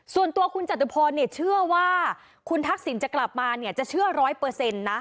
ส่วนตัวคุณจตุพรเนี่ยเชื่อว่าคุณทัศนจะกลับมาเนี่ยจะเชื่อ๑๐๐นะ